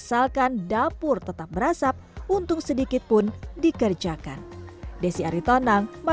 asalkan dapur tetap berasap untung sedikit pun dikerjakan